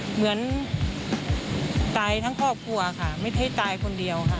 เหมือนตายทั้งครอบครัวค่ะไม่ใช่ตายคนเดียวค่ะ